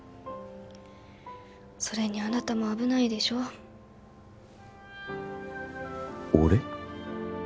それにあなたも危ないでしょ俺？